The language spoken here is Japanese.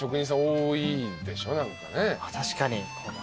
確かに。